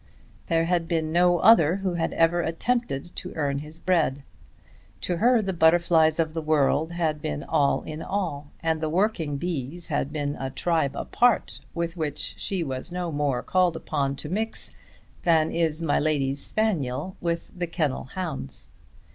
There had been no other who had ever attempted to earn his bread. To her the butterflies of the world had been all in all, and the working bees had been a tribe apart with which she was no more called upon to mix than is my lady's spaniel with the kennel hounds.